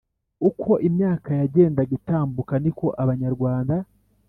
uko imyaka yagendaga itambuka ni ko abanyarwanda